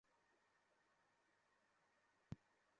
বললাম তো সকালে খুঁজব।